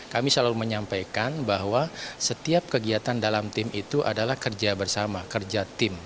kami selalu menyampaikan bahwa setiap kegiatan dalam tim itu adalah kerja bersama kerja tim